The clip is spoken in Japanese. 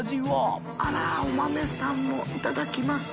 淵船礇鵝あらお豆さんもいただきます。